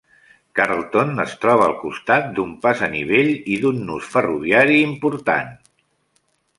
Carleton es troba al costat d'un pas a nivell i d'un nus ferroviaris importants.